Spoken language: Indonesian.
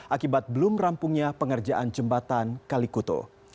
akibat belum rampungnya pengerjaan jembatan kalikuto